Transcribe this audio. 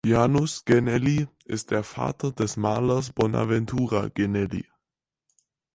Janus Genelli ist der Vater des Malers Bonaventura Genelli.